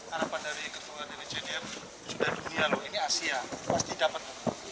harapan dari ketua dari jnm sudah dunia lu ini asia pasti dapat